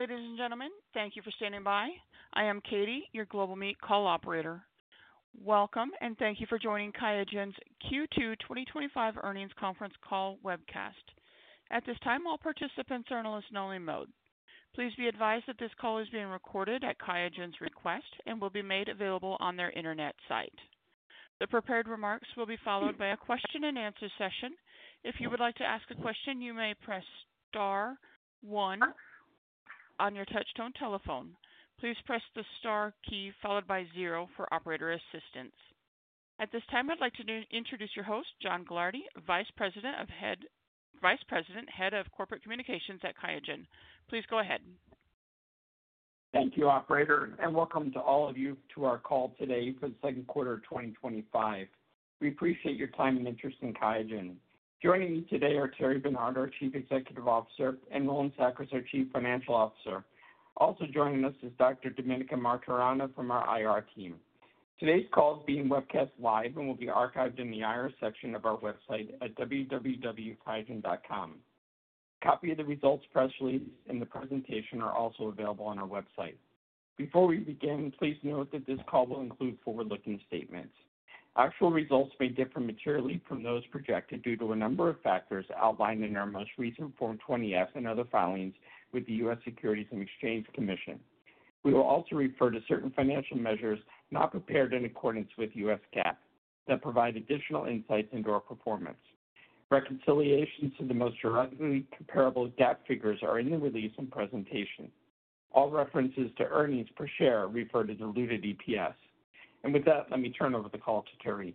Ladies and gentlemen, thank you for standing by. I am Katie, your Global Meet call operator. Welcome, and thank you for joining QIAGEN's Q2 2025 earnings conference call webcast. At this time, all participants are in a listen-only mode. Please be advised that this call is being recorded at QIAGEN's request and will be made available on their internet site. The prepared remarks will be followed by a question-and-answer session. If you would like to ask a question, you may press star one on your touch-tone telephone. Please press the star key followed by zero for operator assistance. At this time, I'd like to introduce your host, John Gilardi, Vice President, Head of Corporate Communications at QIAGEN. Please go ahead. Thank you, operator, and welcome to all of you to our call today for the second quarter of 2025. We appreciate your time and interest in QIAGEN. Joining me today are Thierry Bernard, our Chief Executive Officer, and Roland Sackers, our Chief Financial Officer. Also joining us is Dr. Domenica Martorana from our IR team. Today's call is being webcast live and will be archived in the IR section of our website at www.qiagen.com. Copies of the results press release and the presentation are also available on our website. Before we begin, please note that this call will include forward-looking statements. Actual results may differ materially from those projected due to a number of factors outlined in our most recent Form 20-F and other filings with the U.S. Securities and Exchange Commission. We will also refer to certain financial measures not prepared in accordance with U.S. GAAP that provide additional insights into our performance. Reconciliations to the most directly comparable GAAP figures are in the release and presentation. All references to earnings per share refer to diluted EPS. With that, let me turn over the call to Thierry.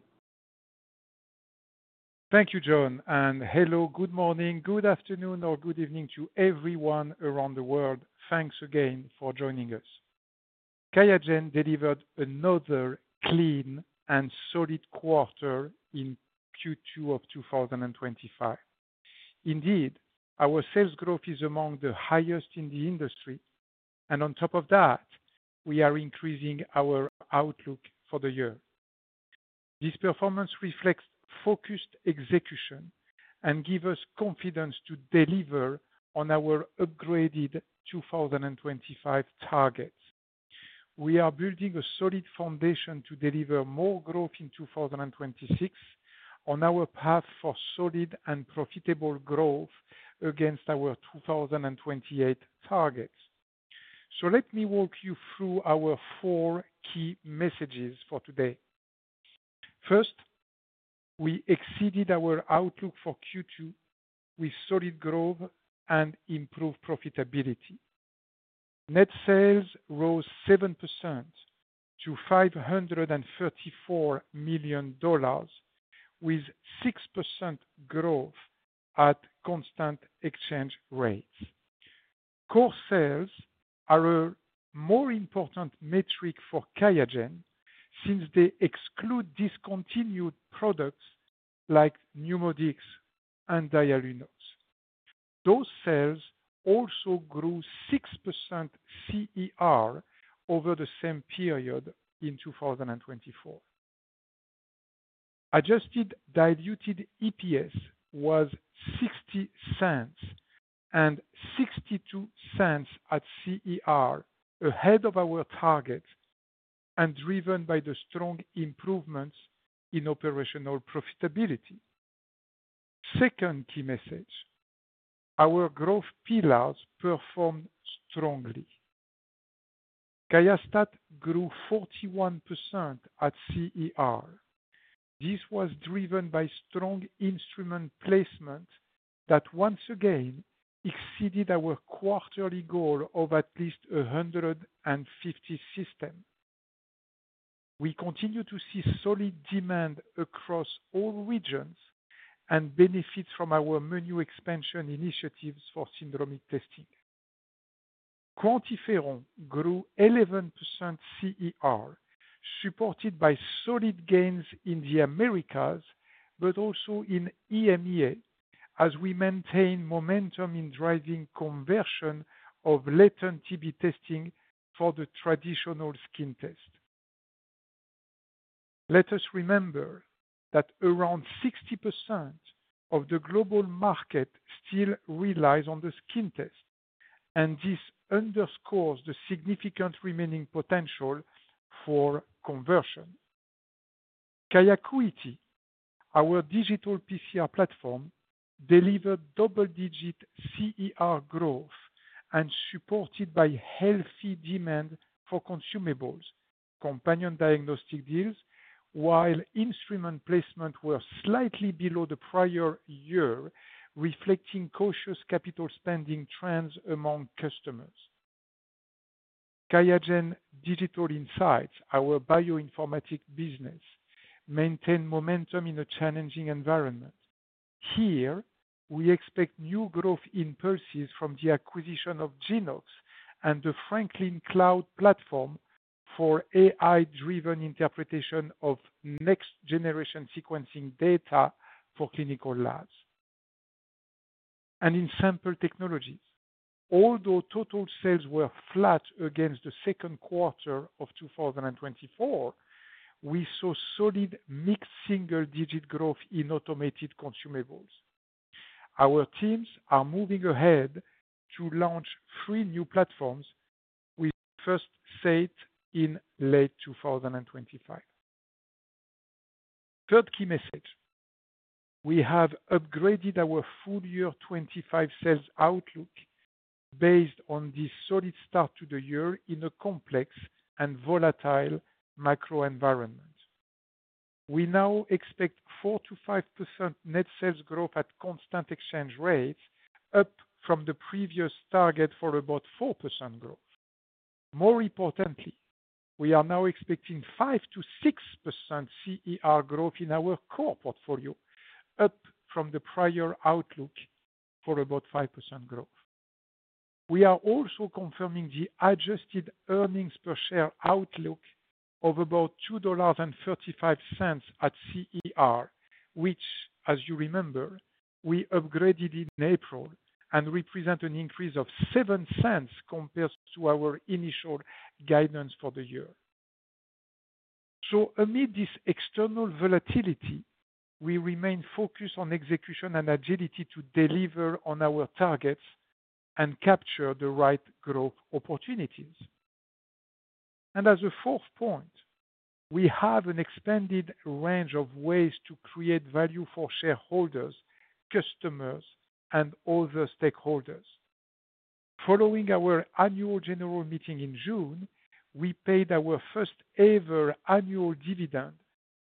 Thank you, John. And hello, good morning, good afternoon, or good evening to everyone around the world. Thanks again for joining us. QIAGEN delivered another clean and solid quarter in Q2 of 2025. Indeed, our sales growth is among the highest in the industry, and on top of that, we are increasing our outlook for the year. This performance reflects focused execution and gives us confidence to deliver on our upgraded 2025 targets. We are building a solid foundation to deliver more growth in 2026 on our path for solid and profitable growth against our 2028 targets. Let me walk you through our four key messages for today. First, we exceeded our outlook for Q2 with solid growth and improved profitability. Net sales rose 7% to $534 million with 6% growth at constant exchange rates. Core sales are a more important metric for QIAGEN since they exclude discontinued products like NeuMoDx and Dialunox. Those sales also grew 6% CER over the same period in 2024. Adjusted diluted EPS was $0.60 and $0.62 at CER, ahead of our targets and driven by the strong improvements in operational profitability. Second key message, our growth pillars performed strongly. QIAstat-Dx grew 41% at constant exchange rate. This was driven by strong instrument placements that once again exceeded our quarterly goal of at least 150 systems. We continue to see solid demand across all regions and benefit from our menu expansion initiatives for syndromic testing. QuantiFERON grew 11% CER, supported by solid gains in the Americas, but also in EMEA as we maintain momentum in driving conversion of latent TB testing for the traditional skin test. Let us remember that around 60% of the global market still relies on the skin test, and this underscores the significant remaining potential for conversion. QIAcuity, our digital PCR platform, delivered double-digit CER growth and was supported by healthy demand for consumables and companion diagnostic deals, while instrument placements were slightly below the prior year, reflecting cautious capital spending trends among customers. QIAGEN Digital Insights, our bioinformatics business, maintained momentum in a challenging environment. Here, we expect new growth impulses from the acquisition of Genoox and the Franklin cloud platform for AI-driven NGS data interpretation for clinical labs. In Sample technologies, although total sales were flat against the second quarter of 2024, we saw solid mid-single-digit growth in automated consumables. Our teams are moving ahead to launch three new platforms with first sight in late 2025. Third key message, we have upgraded our full-year 2025 sales outlook based on this solid start to the year in a complex and volatile macro environment. We now expect 4%-5% net sales growth at constant exchange rates, up from the previous target for about 4% growth. More importantly, we are now expecting 5%-6% CER growth in our core portfolio, up from the prior outlook for about 5% growth. We are also confirming the adjusted earnings per share outlook of about $2.35 at CER, which, as you remember, we upgraded in April and represent an increase of $0.07 compared to our initial guidance for the year. Amid this external volatility, we remain focused on execution and agility to deliver on our targets and capture the right growth opportunities. As a fourth point, we have an expanded range of ways to create value for shareholders, customers, and other stakeholders. Following our annual general meeting in June, we paid our first-ever annual dividend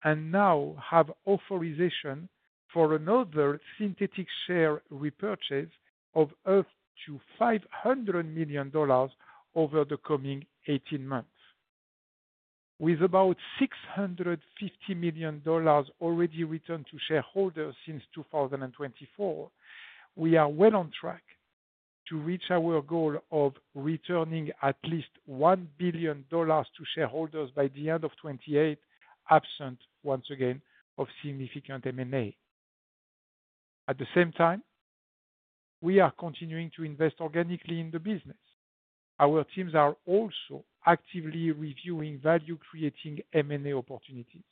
and now have authorization for another synthetic share repurchase of up to $500 million over the coming 18 months. With about $650 million already returned to shareholders since 2024, we are well on track to reach our goal of returning at least $1 billion to shareholders by the end of 2028, absent, once again, of significant M&A. At the same time, we are continuing to invest organically in the business. Our teams are also actively reviewing value-creating M&A opportunities.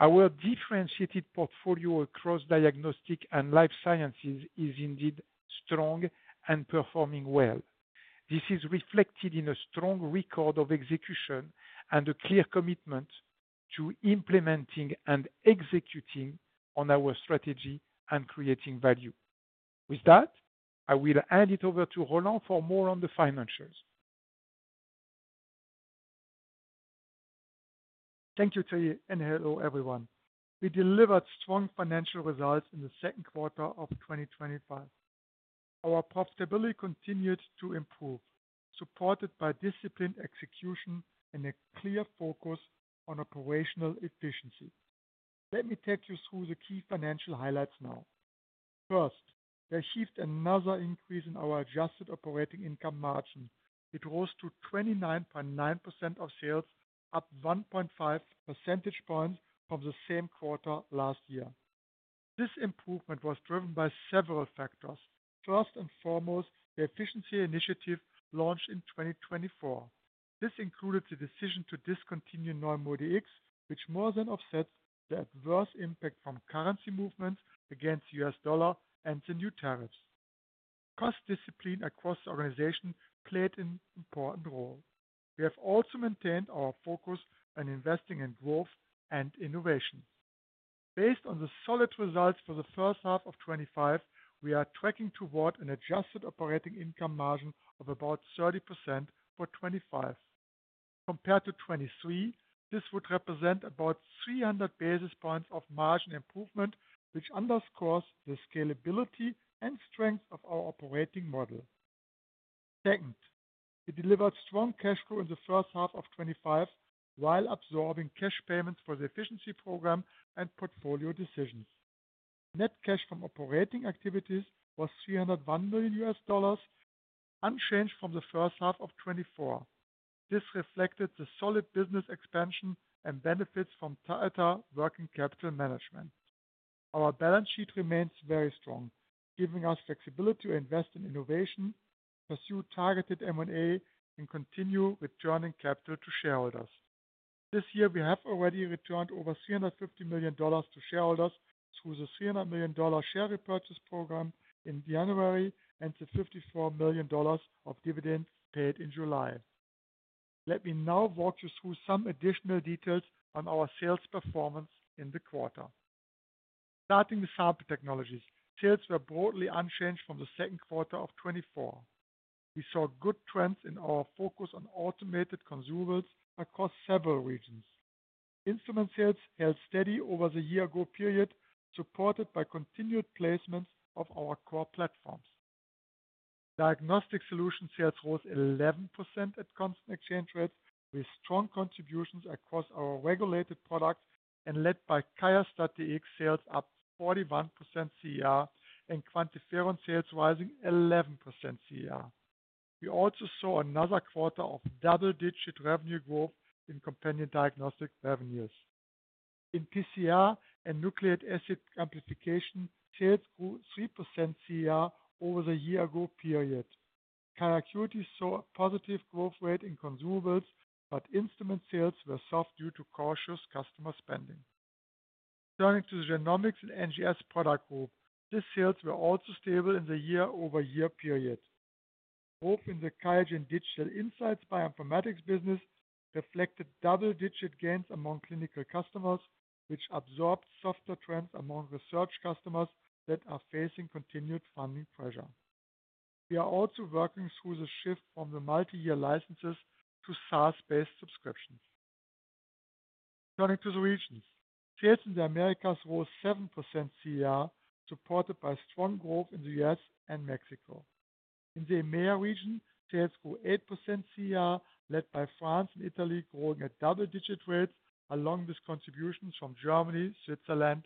Our differentiated portfolio across diagnostic and Life Sciences is indeed strong and performing well. This is reflected in a strong record of execution and a clear commitment to implementing and executing on our strategy and creating value. With that, I will hand it over to Roland for more on the financials. Thank you, Thierry, and hello, everyone. We delivered strong financial results in the second quarter of 2025. Our profitability continued to improve, supported by disciplined execution and a clear focus on operational efficiency. Let me take you through the key financial highlights now. First, we achieved another increase in our adjusted operating income margin. It rose to 29.9% of sales, up 1.5 percentage points from the same quarter last year. This improvement was driven by several factors. First and foremost, the efficiency initiative launched in 2024. This included the decision to discontinue NeuMoDx, which more than offsets the adverse impact from currency movements against the U.S. dollar and the new tariffs. Cost discipline across the organization played an important role. We have also maintained our focus on investing in growth and innovation. Based on the solid results for the first half of 2025, we are tracking toward an adjusted operating income margin of about 30% for 2025. Compared to 2023, this would represent about 300 basis points of margin improvement, which underscores the scalability and strength of our operating model. Second, we delivered strong cash flow in the first half of 2025 while absorbing cash payments for the efficiency program and portfolio decisions. Net cash from operating activities was $301 million, unchanged from the first half of 2024. This reflected the solid business expansion and benefits from tighter working capital management. Our balance sheet remains very strong, giving us flexibility to invest in innovation, pursue targeted M&A, and continue returning capital to shareholders. This year, we have already returned over $350 million to shareholders through the $300 million share repurchase program in January and the $54 million of dividend paid in July. Let me now walk you through some additional details on our sales performance in the quarter. Starting with Sample technologies, sales were broadly unchanged from the second quarter of 2024. We saw good trends in our focus on automated consumables across several regions. Instrument sales held steady over the year-ago period, supported by continued placements of our core platforms. Diagnostic Solutions sales rose 11% at constant exchange rates, with strong contributions across our regulated products and led by QIAstat-Dx sales up to 41% CER and QuantiFERON sales rising 11% CER. We also saw another quarter of double-digit revenue growth in companion diagnostic revenues. In PCR and nucleic acid amplification, sales grew 3% CER over the year-ago period. QIAcuity saw a positive growth rate in consumables, but instrument sales were soft due to cautious customer spending. Turning to the Genomics and NGS product group, these sales were also stable in the year-over-year period. Growth in the QIAGEN Digital Insights business reflected double-digit gains among clinical customers, which absorbed softer trends among research customers that are facing continued funding pressure. We are also working through the shift from the multi-year licenses to SaaS-based subscriptions. Turning to the regions, sales in the Americas rose 7% CER, supported by strong growth in the U.S. and Mexico. In the EMEA region, sales grew 8% CER, led by France and Italy, growing at double-digit rates along with contributions from Germany, Switzerland,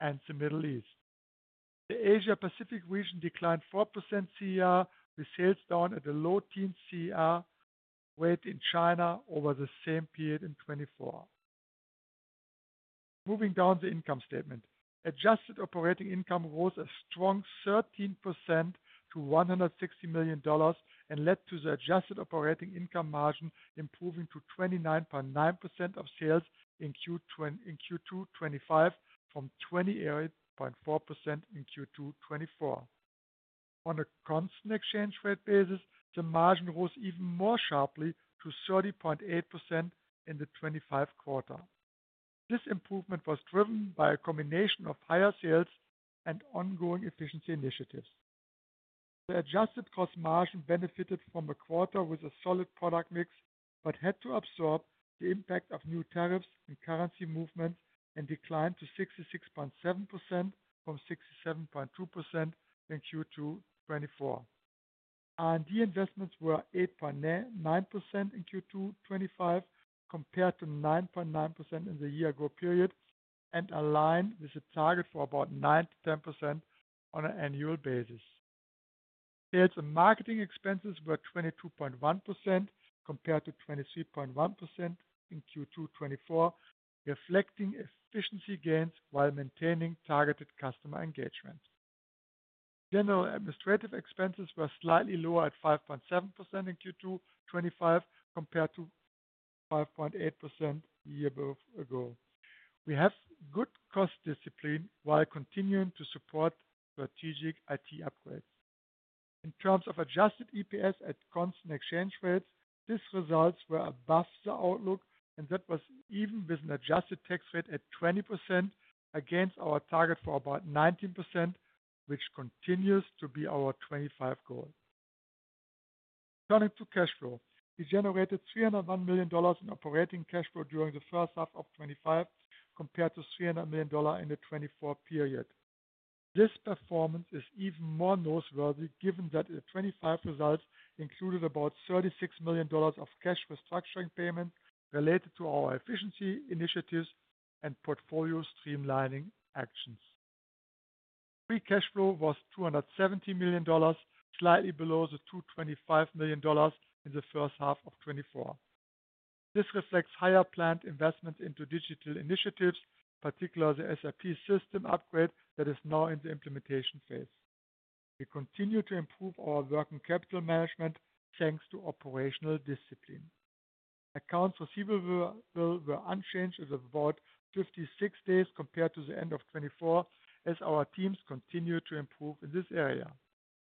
and the Middle East. The Asia-Pacific region declined 4% CER, with sales down at a low-teens CER rate in China over the same period in 2024. Moving down the income statement, adjusted operating income rose a strong 13% to $160 million and led to the adjusted operating income margin improving to 29.9% of sales in Q2 2025, from 28.4% in Q2 2024. On a constant exchange rate basis, the margin rose even more sharply to 30.8% in the 2025 quarter. This improvement was driven by a combination of higher sales and ongoing efficiency initiatives. The adjusted cost margin benefited from a quarter with a solid product mix but had to absorb the impact of new tariffs and currency movements and declined to 66.7% from 67.2% in Q2 2024. R&D investments were 8.9% in Q2 2025 compared to 9.9% in the year-ago period and aligned with the target for about 9%-10% on an annual basis. Sales and marketing expenses were 22.1% compared to 23.1% in Q2 2024, reflecting efficiency gains while maintaining targeted customer engagement. General administrative expenses were slightly lower at 5.7% in Q2 2025 compared to 5.8% a year ago. We have good cost discipline while continuing to support strategic IT upgrades. In terms of adjusted EPS at constant exchange rates, these results were above the outlook, and that was even with an adjusted tax rate at 20% against our target for about 19%, which continues to be our 2025 goal. Turning to cash flow, we generated $301 million in operating cash flow during the first half of 2025 compared to $300 million in the 2024 period. This performance is even more noteworthy given that the 2025 results included about $36 million of cash restructuring payment related to our efficiency initiatives and portfolio streamlining actions. Free cash flow was $217 million, slightly below the $225 million in the first half of 2024. This reflects higher planned investments into digital initiatives, particularly the SAP system upgrade that is now in the implementation phase. We continue to improve our working capital management thanks to operational discipline. Accounts receivable were unchanged at about 56 days compared to the end of 2024, as our teams continue to improve in this area.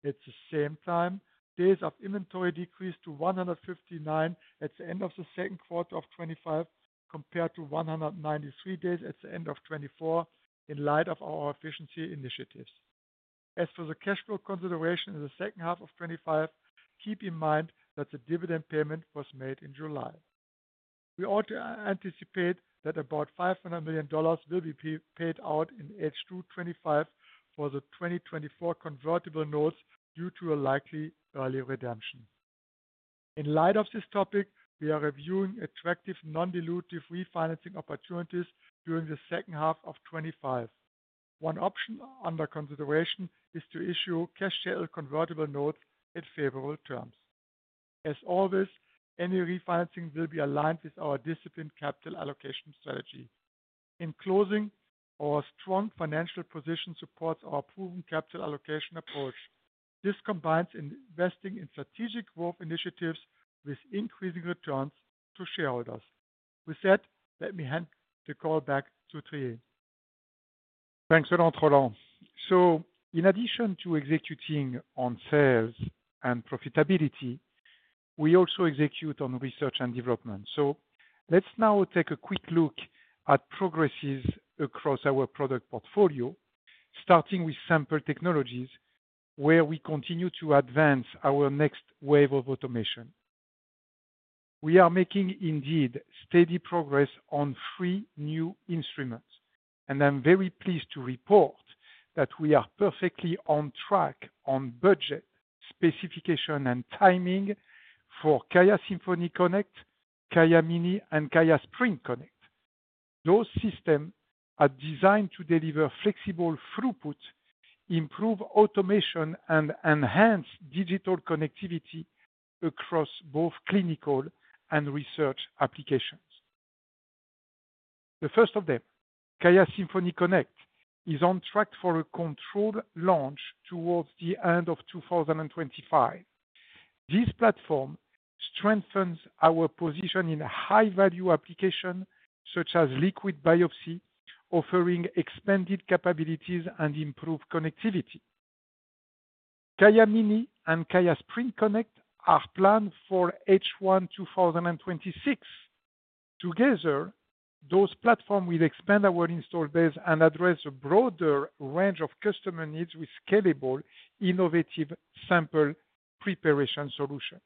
At the same time, days of inventory decreased to 159 at the end of the second quarter of 2025 compared to 193 days at the end of 2024 in light of our efficiency initiatives. As for the cash flow consideration in the second half of 2025, keep in mind that the dividend payment was made in July. We also anticipate that about $500 million will be paid out in H2 2025 for the 2027 convertible notes due to a likely early redemption. In light of this topic, we are reviewing attractive non-dilutive refinancing opportunities during the second half of 2025. One option under consideration is to issue cash sale convertible notes at favorable terms. As always, any refinancing will be aligned with our disciplined capital allocation strategy. In closing, our strong financial position supports our proven capital allocation approach. This combines investing in strategic growth initiatives with increasing returns to shareholders. With that, let me hand the call back to Thierry. Thanks, Roland. In addition to executing on sales and profitability, we also execute on research and development. Let's now take a quick look at progress across our product portfolio, starting with Sample technologies, where we continue to advance our next wave of automation. We are making indeed steady progress on three new instruments, and I'm very pleased to report that we are perfectly on track on budget specification and timing for QIAsymphony Connect, QIAmini, and QIAsprint Connect. Those systems are designed to deliver flexible throughput, improve automation, and enhance digital connectivity across both clinical and research applications. The first of them, QIAsymphony Connect, is on track for a controlled launch towards the end of 2025. This platform strengthens our position in a high-value application such as liquid biopsy, offering expanded capabilities and improved connectivity. QIAmini and QIAsprint Connect are planned for H1 2026. Together, those platforms will expand our install base and address a broader range of customer needs with scalable, innovative sample preparation solutions.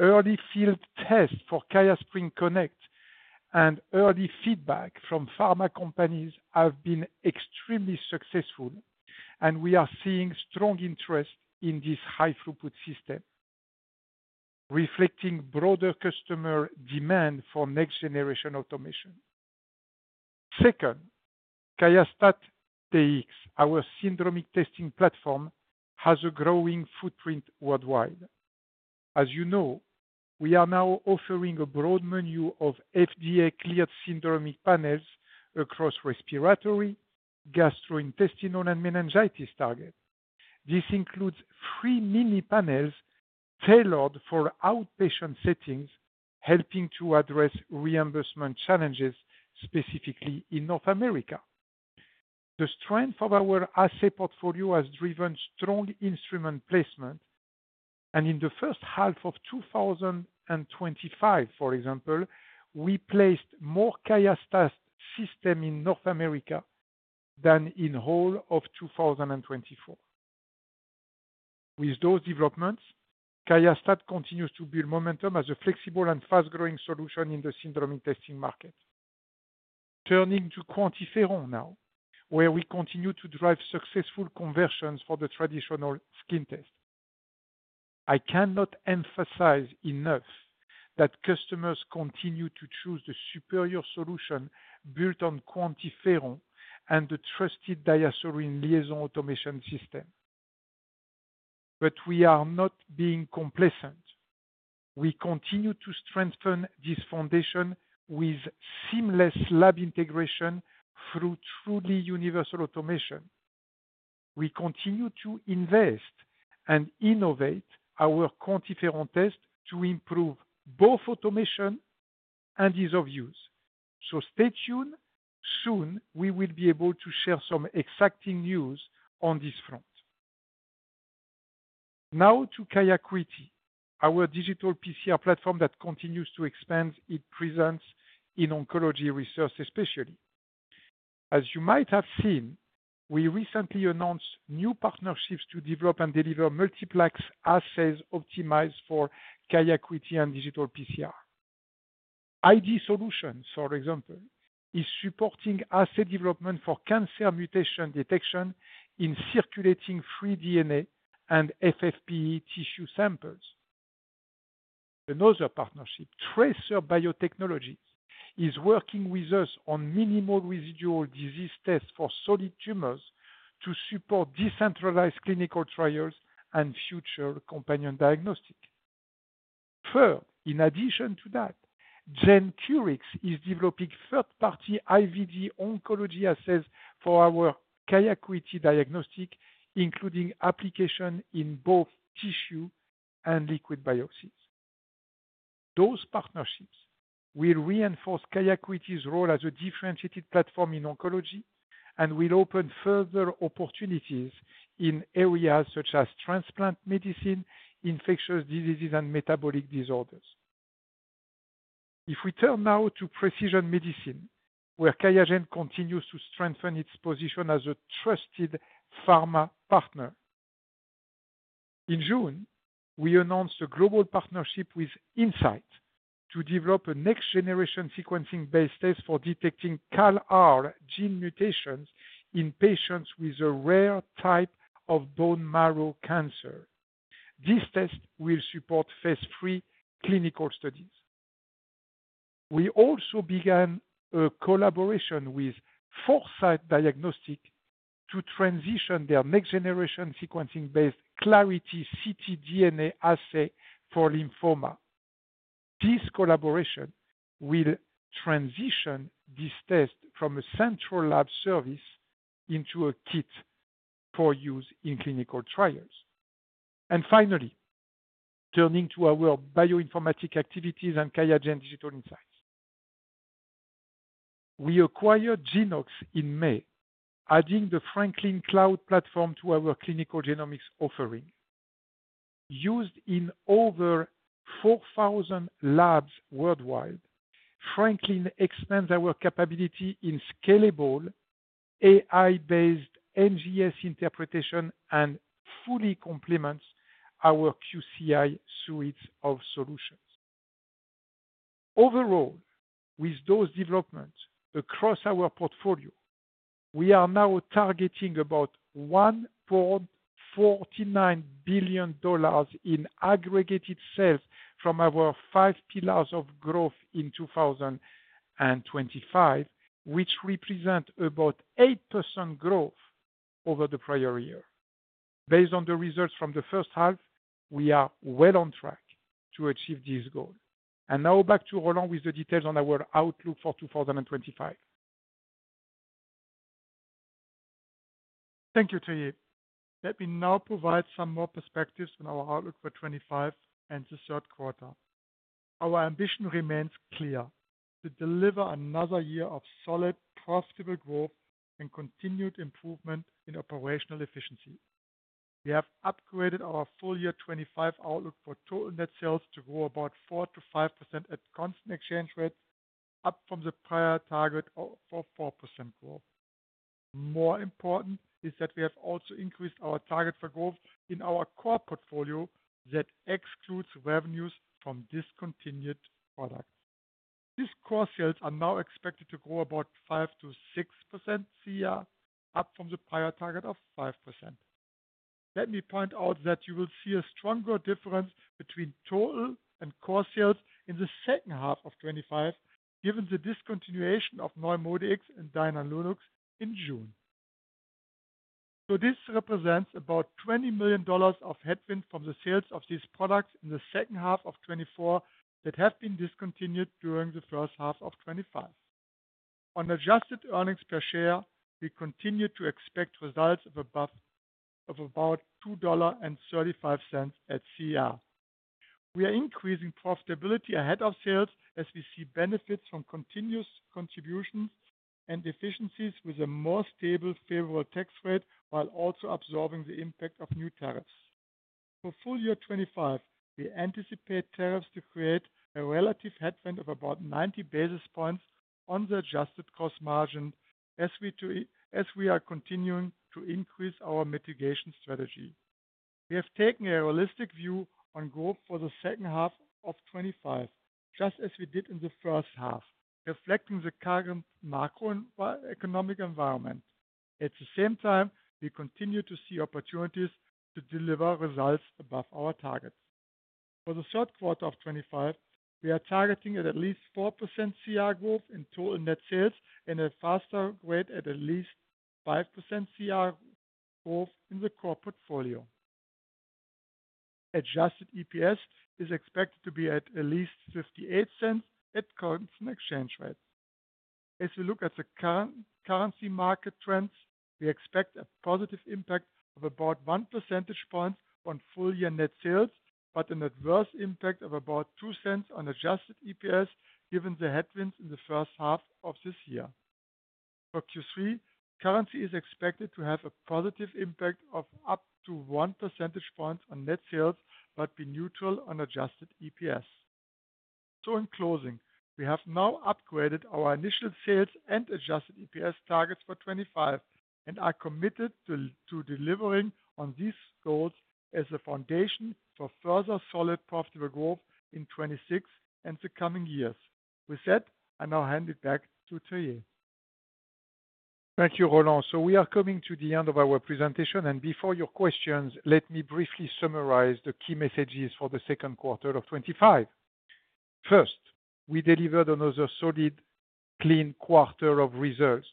Early field tests for QIAsprint Connect and early feedback from pharma companies have been extremely successful, and we are seeing strong interest in this high-throughput system, reflecting broader customer demand for next-generation automation. Second, QIAstat-Dx, our syndromic testing platform, has a growing footprint worldwide. As you know, we are now offering a broad menu of FDA-cleared syndromic panels across respiratory, gastrointestinal, and meningitis targets. This includes three mini panels tailored for outpatient settings, helping to address reimbursement challenges specifically in North America. The strength of our asset portfolio has driven strong instrument placement, and in the first half of 2025, for example, we placed more QIAstat-Dx systems in North America than in the whole of 2024. With those developments, QIAstat-Dx continues to build momentum as a flexible and fast-growing solution in the syndromic testing market. Turning to QuantiFERON now, where we continue to drive successful conversions for the traditional skin test. I cannot emphasize enough that customers continue to choose the superior solution built on QuantiFERON and the trusted Diasorin LIAISON automation system. We are not being complacent. We continue to strengthen this foundation with seamless lab integration through truly universal automation. We continue to invest and innovate our QuantiFERON test to improve both automation and ease of use. Stay tuned. Soon, we will be able to share some exciting news on this front. Now to QIAcuity, our digital PCR platform that continues to expand its presence in oncology research especially. As you might have seen, we recently announced new partnerships to develop and deliver multiplex assays optimized for QIAcuity and digital PCR. ID Solutions, for example, is supporting assay development for cancer mutation detection in circulating free DNA and FFPE tissue samples. Another partnership, Tracer Biotechnologies, is working with us on minimal residual disease tests for solid tumors to support decentralized clinical trials and future companion diagnostics. In addition to that, Gencurix is developing third-party IVD oncology assays for our QIAcuityDx diagnostic, including application in both tissue and liquid biopsies. Those partnerships will reinforce QIAcuity's role as a differentiated platform in oncology and will open further opportunities in areas such as transplant medicine, infectious diseases, and metabolic disorders. If we turn now to Precision Medicine, where QIAGEN continues to strengthen its position as a trusted pharma partner. In June, we announced a global partnership with Incyte to develop an NGS-based test for detecting CALR gene mutations in patients with a rare type of bone marrow cancer. This test will support phase III clinical studies. We also began a collaboration with Foresight Diagnostics to transition their NGS-based CLARITY ctDNA assay for lymphoma. This collaboration will transition this test from a central lab service into a kit for use in clinical trials. Finally, turning to our bioinformatic activities and QIAGEN Digital Insights. We acquired Genoox in May, adding the Franklin cloud platform to our clinical genomics offering. Used in over 4,000 labs worldwide, Franklin expands our capability in scalable AI-based NGS interpretation and fully complements our QCI suites of solutions. Overall, with those developments across our portfolio, we are now targeting about $1.49 billion in aggregated sales from our five pillars of growth in 2025, which represent about 8% growth over the prior year. Based on the results from the first half, we are well on track to achieve this goal. Now back to Roland with the details on our outlook for 2025. Thank you, Thierry. Let me now provide some more perspectives on our outlook for 2025 and the third quarter. Our ambition remains clear to deliver another year of solid, profitable growth and continued improvement in operational efficiency. We have upgraded our full-year 2025 outlook for total net sales to grow about 4%-5% at constant exchange rates, up from the prior target of 4% growth. More important is that we have also increased our target for growth in our core portfolio that excludes revenues from discontinued products. These core sales are now expected to grow about 5%-6% CER, up from the prior target of 5%. Let me point out that you will see a stronger difference between total and core sales in the second half of 2025, given the discontinuation of NeuMoDx and Dialunox in June. This represents about $10 million of headwind from the sales of these products in the second half of 2024 that have been discontinued during the first half of 2025. On adjusted earnings per share, we continue to expect results of about $2.35 at CER. We are increasing profitability ahead of sales as we see benefits from continuous contributions and efficiencies with a more stable, favorable tax rate while also absorbing the impact of new tariffs. For full-year 2025, we anticipate tariffs to create a relative headwind of about 90 basis points on the adjusted cost margin as we are continuing to increase our mitigation strategy. We have taken a realistic view on growth for the second half of 2025, just as we did in the first half, reflecting the current macroeconomic environment. At the same time, we continue to see opportunities to deliver results above our targets. For the third quarter of 2025, we are targeting at least 4% CER growth in total net sales and a faster rate at least 5% CER growth in the core portfolio. Adjusted EPS is expected to be at least $0.58 at constant exchange rates. As we look at the current currency market trends, we expect a positive impact of about 1 percentage point on full-year net sales, but an adverse impact of about $0.02 on adjusted EPS given the headwinds in the first half of this year. For Q3, currency is expected to have a positive impact of up to 1 percentage point on net sales, but be neutral on adjusted EPS. In closing, we have now upgraded our initial sales and adjusted EPS targets for 2025 and are committed to delivering on these goals as a foundation for further solid profitable growth in 2026 and the coming years. With that, I now hand it back to Thierry. Thank you, Roland. We are coming to the end of our presentation, and before your questions, let me briefly summarize the key messages for the second quarter of 2025. First, we delivered another solid, clean quarter of results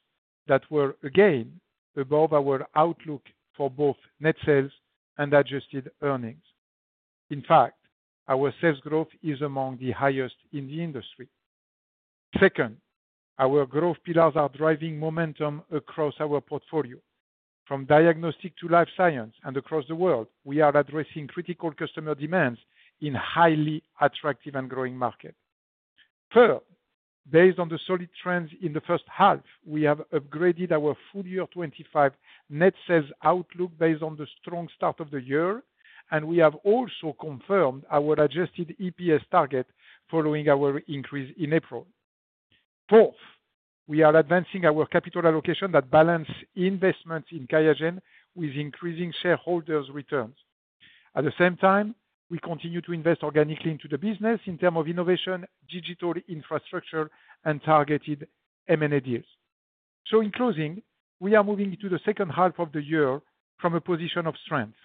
that were, again, above our outlook for both net sales and adjusted earnings. In fact, our sales growth is among the highest in the industry. Second, our growth pillars are driving momentum across our portfolio. From diagnostic to Life Sciences and across the world, we are addressing critical customer demands in highly attractive and growing markets. Third, based on the solid trends in the first half, we have upgraded our full-year 2025 net sales outlook based on the strong start of the year, and we have also confirmed our adjusted EPS target following our increase in April. Fourth, we are advancing our capital allocation that balances investments in QIAGEN with increasing shareholders' returns. At the same time, we continue to invest organically into the business in terms of innovation, digital infrastructure, and targeted M&A deals. In closing, we are moving into the second half of the year from a position of strength.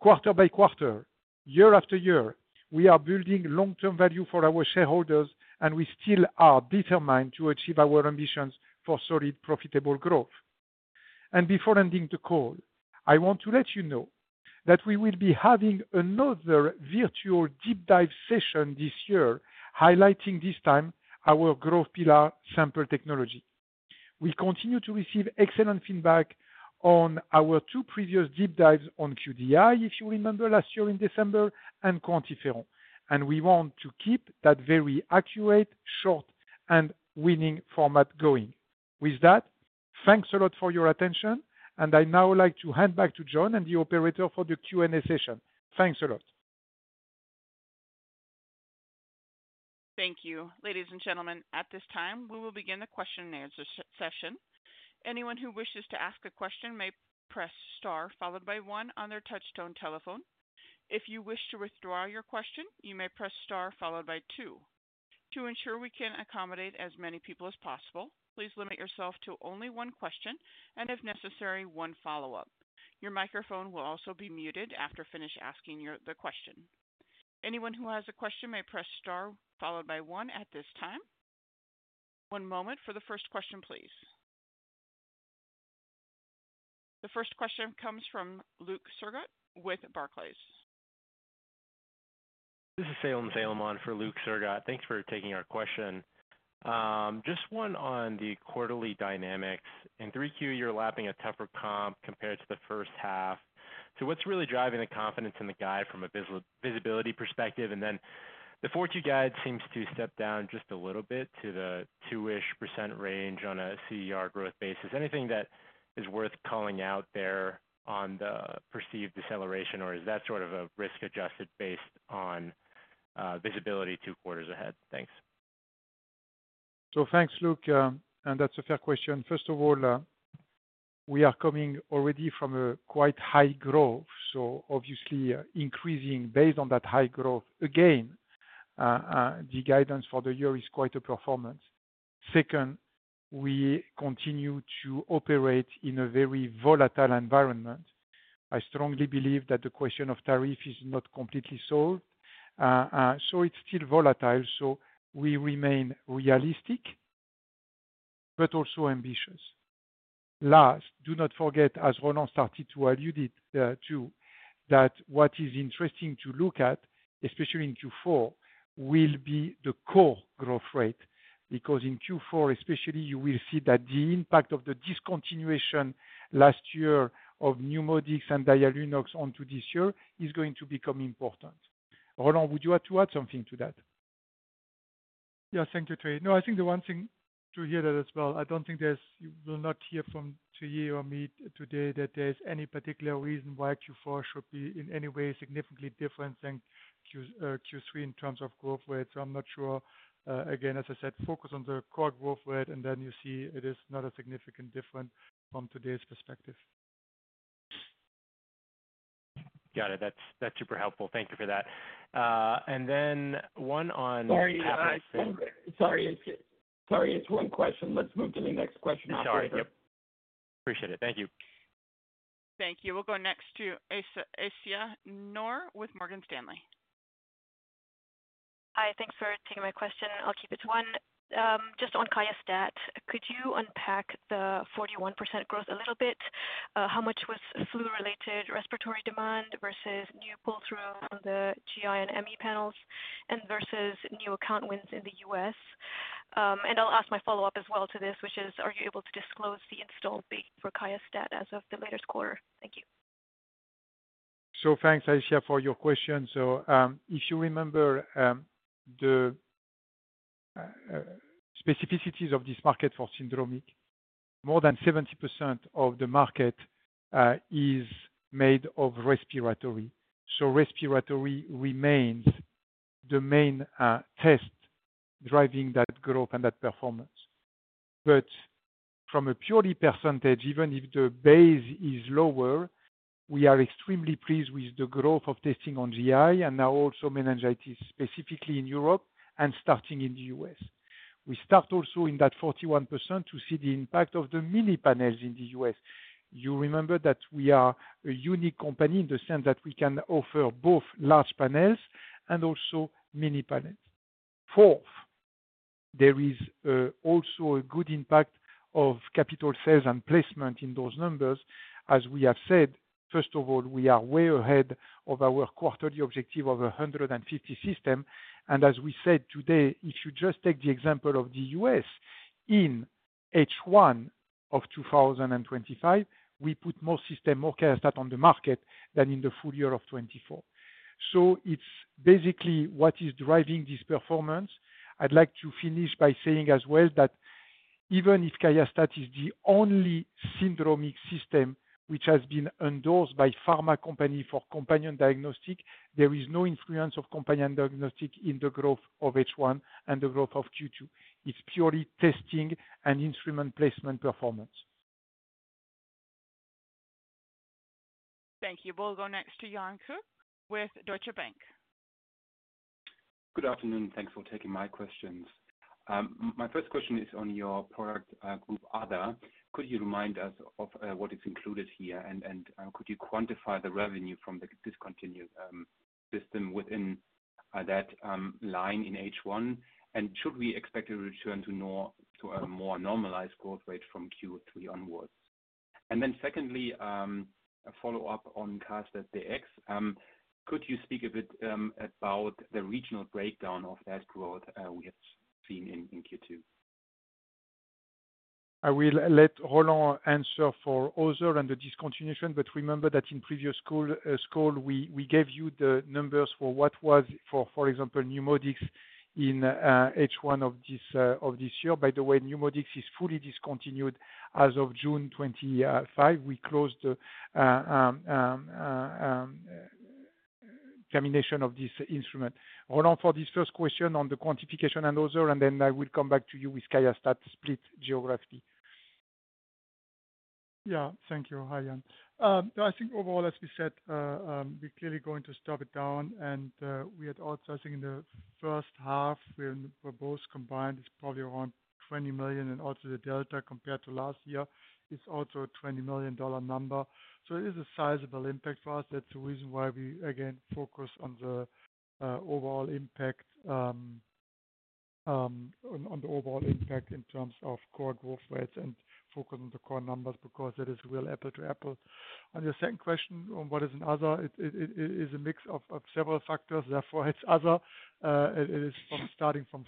Quarter-by-quarter, year-after-year, we are building long-term value for our shareholders, and we still are determined to achieve our ambitions for solid, profitable growth. Before ending the call, I want to let you know that we will be having another virtual deep dive session this year, highlighting this time our growth pillar, Sample technology. We continue to receive excellent feedback on our two previous Deep Dives on QDI, if you remember last year in December, and QuantiFERON. We want to keep that very accurate, short, and winning format going. With that, thanks a lot for your attention, and I now like to hand back to John and the operator for the Q&A session. Thanks a lot. Thank you. Ladies and gentlemen, at this time, we will begin the question and answer session. Anyone who wishes to ask a question may press star followed by one on their touch-tone telephone. If you wish to withdraw your question, you may press star followed by two. To ensure we can accommodate as many people as possible, please limit yourself to only one question and, if necessary, one follow-up. Your microphone will also be muted after finished asking the question. Anyone who has a question may press star followed by one at this time. One moment for the first question, please. The first question comes from Luke Sergott with Barclays. This is Salem Salem on for Luke Sergott. Thanks for taking our question. Just one on the quarterly dynamics. In 3Q, you're lapping a tougher comp compared to the first half. What's really driving the confidence in the guide from a visibility perspective? The 4Q guide seems to step down just a little bit to the 2% range on a CER growth basis. Anything that is worth calling out there on the perceived deceleration, or is that sort of a risk adjusted based on visibility two quarters ahead? Thanks. Thank you, Luke. That's a fair question. First of all, we are coming already from quite high growth. Obviously, increasing based on that high growth again, the guidance for the year is quite a performance. Second, we continue to operate in a very volatile environment. I strongly believe that the question of tariff is not completely solved. It's still volatile. We remain realistic, but also ambitious. Last, do not forget, as Roland started to allude to, that what is interesting to look at, especially in Q4, will be the core growth rate because in Q4, especially, you will see that the impact of the discontinuation last year of NeuMoDx and Dialunox onto this year is going to become important. Roland, would you like to add something to that? Yes, thank you, Thierry. I think the one thing to hear that as well, I don't think you will hear from Thierry or me today that there's any particular reason why Q4 should be in any way significantly different than Q3 in terms of growth rates. I'm not sure. As I said, focus on the core growth rate and then you see it is not a significant difference from today's perspective. Got it. That's super helpful. Thank you for that. One on. Sorry, it's one question. Let's move to the next question. Sorry. Appreciate it. Thank you. Thank you. We'll go next to Aisyah Noor with Morgan Stanley. Hi, thanks for taking my question. I'll keep it to one. Just on QIAstat-Dx, could you unpack the 41% growth a little bit? How much was flu-related respiratory demand versus new pull-through on the [GI and ME] panels versus new account wins in the U.S.? I'll ask my follow-up as well to this, which is, are you able to disclose the install base for QIAstat-Dx as of the latest quarter? Thank you. Thank you, Aisyah, for your question. If you remember the specificities of this market for syndromic, more than 70% of the market is made of respiratory. Respiratory remains the main test driving that growth and that performance. From a purely percentage, even if the base is lower, we are extremely pleased with the growth of testing on GI and now also meningitis, specifically in Europe and starting in the U.S. We start also in that 41% to see the impact of the mini panels in the U.S. You remember that we are a unique company in the sense that we can offer both large panels and also mini panels. There is also a good impact of capital sales and placement in those numbers. As we have said, first of all, we are way ahead of our quarterly objective of 150 systems. As we said today, if you just take the example of the U.S., in H1 of 2025, we put more systems, more QIAstat-Dx on the market than in the full year of 2024. It is basically what is driving this performance. I'd like to finish by saying as well that even if QIAstat-Dx is the only syndromic system which has been endorsed by a pharma company for companion diagnostics, there is no influence of companion diagnostics in the growth of H1 and the growth of Q2. It is purely testing and instrument placement performance. Thank you. We'll go next to Jan Koch with Deutsche Bank. Good afternoon. Thanks for taking my questions. My first question is on your product group, Other. Could you remind us of what is included here, and could you quantify the revenue from the discontinued system within that line in H1? Should we expect a return to a more normalized growth rate from Q3 onwards? Secondly, a follow-up on QIAstat-Dx. Could you speak a bit about the regional breakdown of that growth we have seen in Q2? I will let Roland answer for Other and the discontinuation, but remember that in previous calls, we gave you the numbers for what was, for example, NeuMoDx in H1 of this year. By the way, NeuMoDx is fully discontinued as of June 2025. We closed the termination of this instrument. Roland, for this first question on the quantification and Other, and then I will come back to you with QIAstat-Dx split geography. Yeah, thank you, Jan. I think overall, as we said, we're clearly going to stop it down. We had also, I think in the first half, we're both combined, it's probably around $20 million. The delta compared to last year is also a $20 million number. It is a sizable impact for us. That's the reason why we, again, focus on the overall impact in terms of core growth rates and focus on the core numbers because that is real apple to apple. Your second question on what is in Other, it is a mix of several factors. Therefore, it's Other. It is from starting from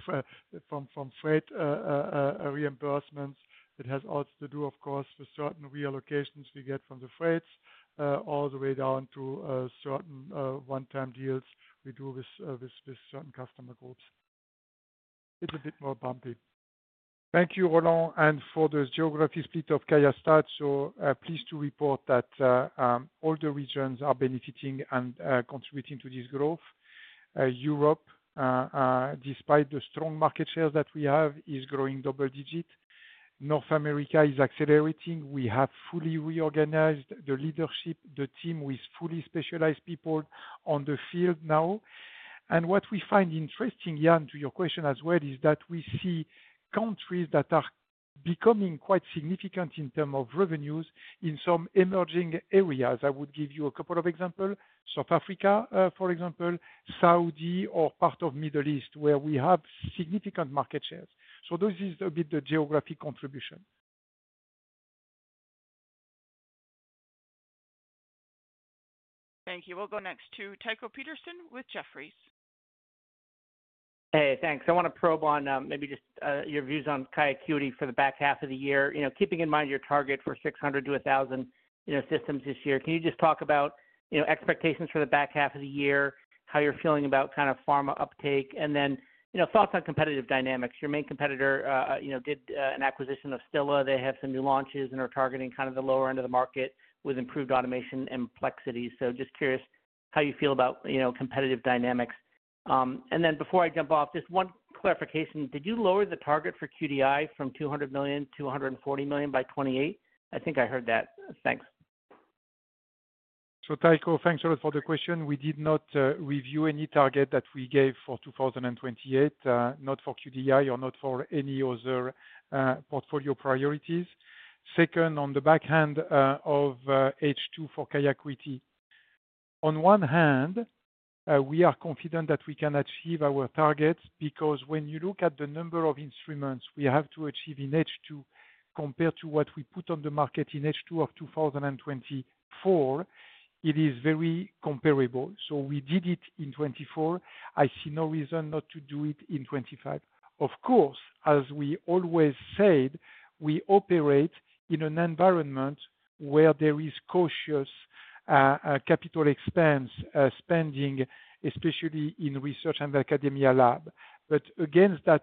freight reimbursements. It has also to do, of course, with certain reallocations we get from the freights, all the way down to certain one-time deals we do with certain customer groups. It's a bit more bumpy. Thank you, Roland. For the geography split of QIAstat-Dx, please do report that all the regions are benefiting and contributing to this growth. Europe, despite the strong market shares that we have, is growing double digit. North America is accelerating. We have fully reorganized the leadership, the team with fully specialized people on the field now. What we find interesting, Jan, to your question as well, is that we see countries that are becoming quite significant in terms of revenues in some emerging areas. I would give you a couple of examples: South Africa, for example, Saudi, or part of the Middle East, where we have significant market shares. Those are a bit the geographic contribution. Thank you. We'll go next to Tycho Peterson with Jefferies. Hey, thanks. I want to probe on maybe just your views on QIAcuity for the back half of the year. You know, keeping in mind your target for 600-1,000 systems this year, can you just talk about expectations for the back half of the year, how you're feeling about kind of pharma uptake, and then thoughts on competitive dynamics? Your main competitor did an acquisition of Stilla. They have some new launches and are targeting kind of the lower end of the market with improved automation and complexity. Just curious how you feel about competitive dynamics. Before I jump off, just one clarification. Did you lower the target for QDI from $200 million-$240 million by 2028? I think I heard that. Thanks. Tycho, thanks a lot for the question. We did not review any target that we gave for 2028, not for QDI or for any other portfolio priorities. On the back end of H2 for QIAcuity, on one hand, we are confident that we can achieve our targets because when you look at the number of instruments we have to achieve in H2 compared to what we put on the market in H2 of 2024, it is very comparable. We did it in 2024. I see no reason not to do it in 2025. Of course, as we always said, we operate in an environment where there is cautious capital expense spending, especially in research and academia labs. Against that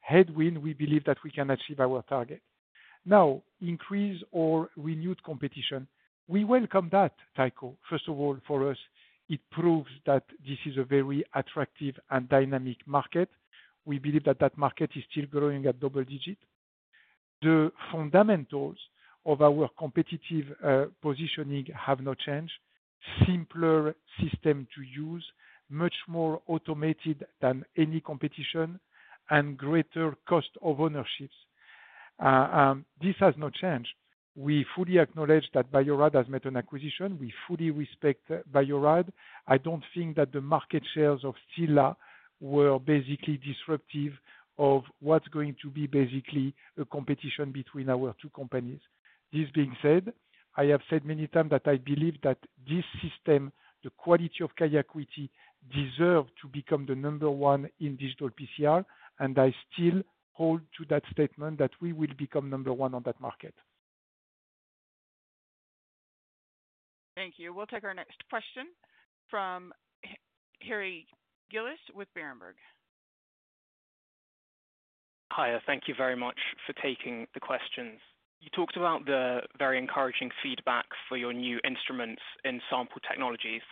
headwind, we believe that we can achieve our target. Increase or renewed competition, we welcome that, Tycho. For us, it proves that this is a very attractive and dynamic market. We believe that the market is still growing at double digits. The fundamentals of our competitive positioning have not changed. Simpler system to use, much more automated than any competition, and greater cost of ownership. This has not changed. We fully acknowledge that Bio-Rad has made an acquisition. We fully respect Bio-Rad. I don't think that the market shares of Stilla were basically disruptive of what's going to be basically a competition between our two companies. I have said many times that I believe that this system, the quality of QIAcuity, deserves to become the number one in digital PCR, and I still hold to that statement that we will become number one on that market. Thank you. We'll take our next question from Harry Gillis with Berenberg. Hi, thank you very much for taking the questions. You talked about the very encouraging feedback for your new instruments in Sample technologies.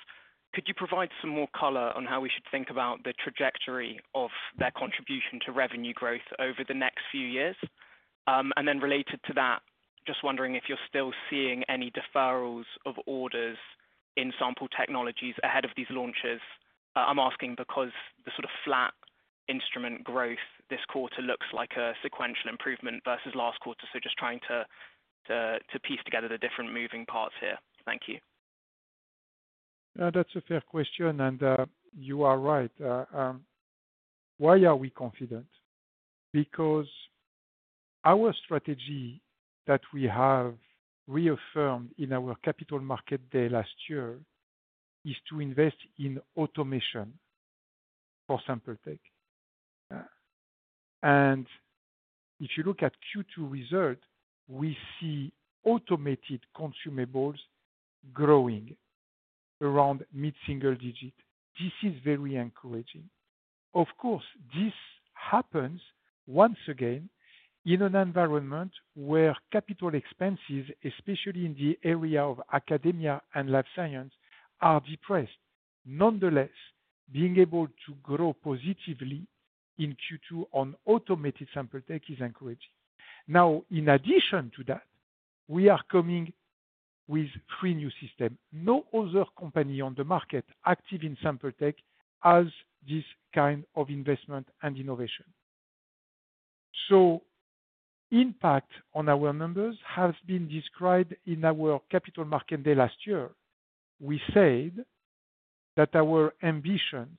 Could you provide some more color on how we should think about the trajectory of their contribution to revenue growth over the next few years? Related to that, just wondering if you're still seeing any deferrals of orders in Sample technologies ahead of these launches. I'm asking because the sort of flat instrument growth this quarter looks like a sequential improvement versus last quarter. Just trying to piece together the different moving parts here. Thank you. That's a fair question, and you are right. Why are we confident? Because our strategy that we have reaffirmed in our Capital Market Day last year is to invest in automation for Sample tech. If you look at Q2 results, we see automated consumables growing around mid-single digit. This is very encouraging. Of course, this happens once again in an environment where capital expenses, especially in the area of academia and Life Science, are depressed. Nonetheless, being able to grow positively in Q2 on automated Sample tech is encouraging. In addition to that, we are coming with three new systems. No other company on the market active in Sample tech has this kind of investment and innovation. The impact on our numbers has been described in our Capital Market Day last year. We said that our ambitions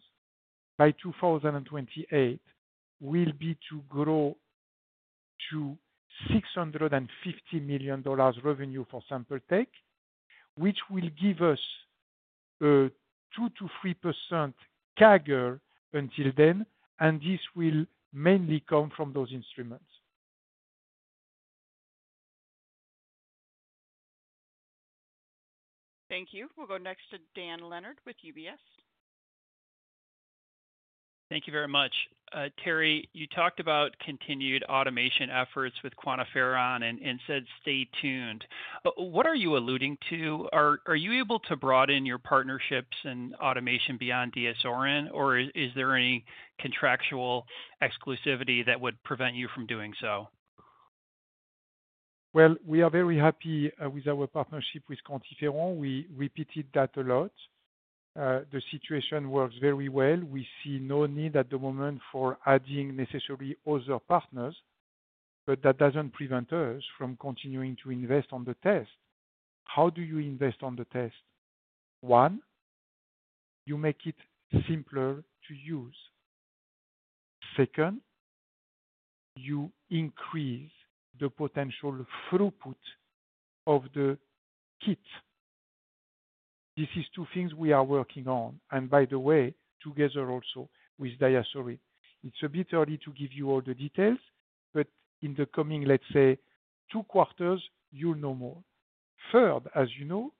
by 2028 will be to grow to $650 million revenue for Sample tech, which will give us a 2%-3% CAGR until then, and this will mainly come from those instruments. Thank you. We'll go next to Dan Leonard with UBS. Thank you very much. Thierry, you talked about continued automation efforts with QuantiFERON and said stay tuned. What are you alluding to? Are you able to broaden your partnerships in automation beyond Diasorin, or is there any contractual exclusivity that would prevent you from doing so? We are very happy with our partnership with QuantiFERON. We repeated that a lot. The situation works very well. We see no need at the moment for adding necessarily other partners, but that doesn't prevent us from continuing to invest on the test. How do you invest on the test? One, you make it simpler to use. Second, you increase the potential throughput of the kit. These are two things we are working on. By the way, together also with Diasorin. It's a bit early to give you all the details, but in the coming, let's say, two quarters, you'll know more. Third, as you know,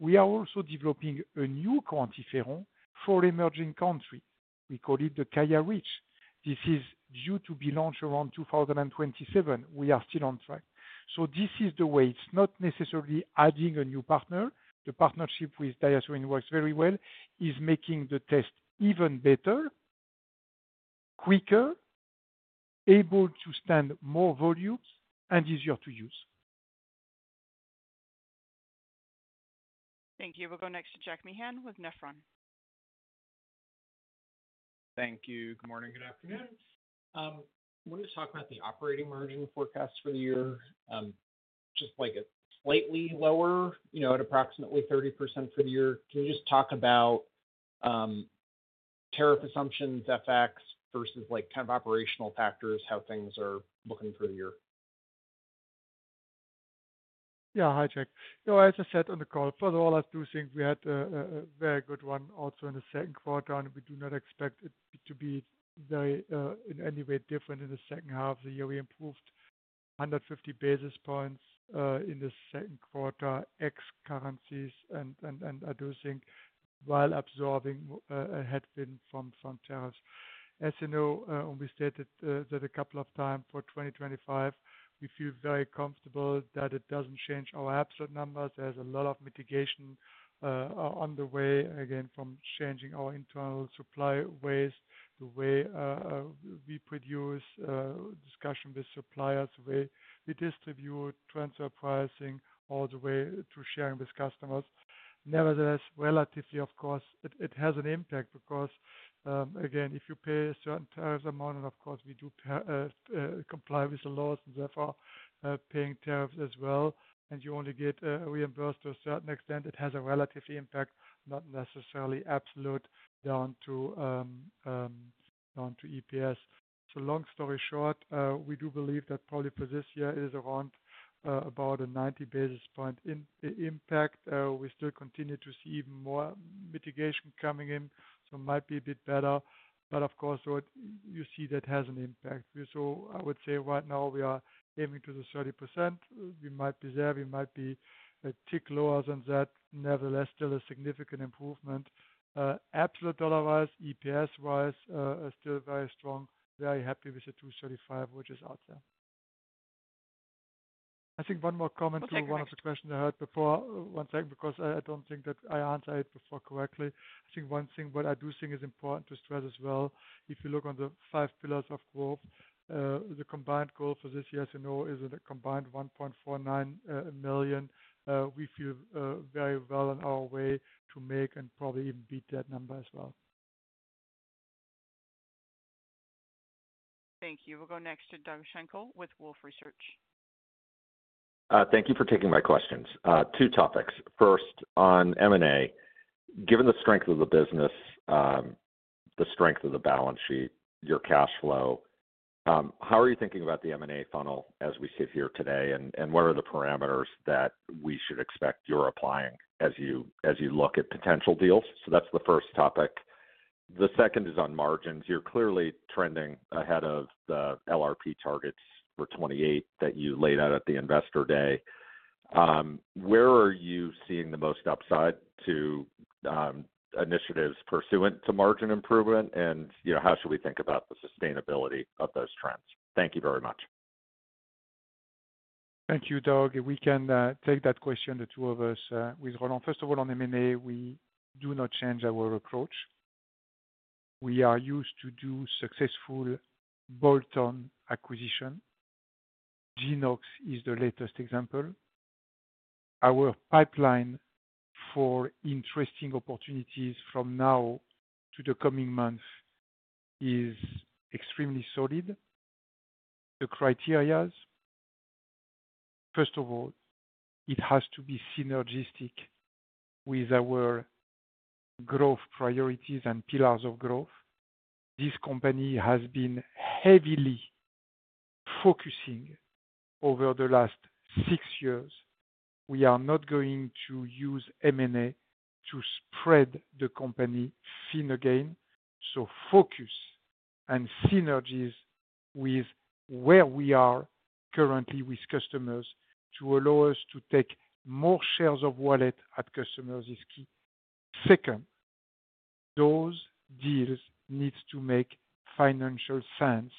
we are also developing a new QuantiFERON for emerging countries. We call it the QIAreach. This is due to be launched around 2027. We are still on track. This is the way. It's not necessarily adding a new partner. The partnership with Diasorin works very well, is making the test even better, quicker, able to stand more volumes, and easier to use. Thank you. We'll go next to Jack Meehan with Nephron. Thank you. Good morning, good afternoon. I want to talk about the operating margin forecast for the year. It looks like it's slightly lower, you know, at approximately 30% for the year. Can you just talk about tariff assumptions, FX versus kind of operational factors, how things are looking for the year? Yeah, hi, Jack. No, as I said on the call, first of all, I do think we had a very good one also in the second quarter, and we do not expect it to be very in any way different in the second half of the year. We improved 150 basis points in the second quarter, ex-currencies, and I do think while absorbing a headwind from tariffs. As you know, when we stated that a couple of times for 2025, we feel very comfortable that it doesn't change our absolute numbers. There's a lot of mitigation on the way, again, from changing our internal supply ways, the way we produce, discussion with suppliers, the way we distribute, transfer pricing, all the way to sharing with customers. Nevertheless, relatively, of course, it has an impact because, again, if you pay a certain tariff amount, and of course, we do comply with the laws and therefore paying tariffs as well, and you only get reimbursed to a certain extent, it has a relatively impact, not necessarily absolute, down to EPS. Long story short, we do believe that probably for this year, it is around about a 90 basis points impact. We still continue to see even more mitigation coming in, so it might be a bit better. Of course, you see that has an impact. I would say right now we are aiming to the 30%. We might be there. We might be a tick lower than that. Nevertheless, still a significant improvement. Absolute dollar-wise, EPS-wise, still very strong. Very happy with the $2.35, which is out there. I think one more comment to one of the questions I heard before. One second, because I don't think that I answered it before correctly. I think one thing that I do think is important to stress as well, if you look on the five pillars of growth, the combined goal for this year, as you know, is a combined $1.49 million. We feel very well on our way to make and probably even beat that number as well. Thank you. We'll go next to Doug Schenkel with Wolfe Research. Thank you for taking my questions. Two topics. First, on M&A, given the strength of the business, the strength of the balance sheet, your cash flow, how are you thinking about the M&A funnel as we sit here today? What are the parameters that we should expect you're applying as you look at potential deals? That's the first topic. The second is on margins. You're clearly trending ahead of the LRP targets for 2028 that you laid out at the investor day. Where are you seeing the most upside to initiatives pursuant to margin improvement? How should we think about the sustainability of those trends? Thank you very much. Thank you, Doug. We can take that question, the two of us, with Roland. First of all, on M&A, we do not change our approach. We are used to do successful bolt-on acquisition. Genoox is the latest example. Our pipeline for interesting opportunities from now to the coming month is extremely solid. The criteria, first of all, it has to be synergistic with our growth priorities and pillars of growth. This company has been heavily focusing over the last six years. We are not going to use M&A to spread the company thin again. Focus and synergies with where we are currently with customers to allow us to take more shares of wallet at customers is key. Second, those deals need to make financial sense